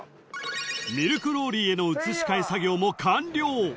［ミルクローリーへの移し替え作業も完了］